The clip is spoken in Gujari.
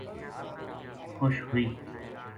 لُڑا کی پھُپی اس نا دیکھ کے مُچ خوش ہوئی